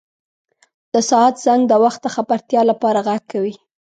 • د ساعت زنګ د وخت د خبرتیا لپاره ږغ کوي.